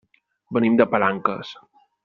Venim de Palanques.